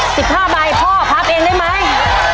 สิบห้าใบพ่อพับเองได้ไหม